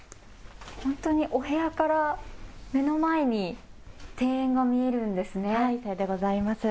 本当にお部屋から目の前に庭園が見えるんですね。